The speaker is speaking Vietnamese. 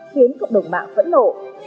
khiến cộng đồng mạng phẫn nộ